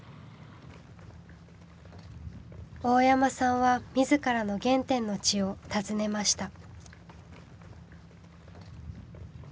大山さんは自らの原点の地を訪ねました。